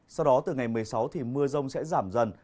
sau đó từ ngày một mươi sáu thì mưa rông sẽ giảm dần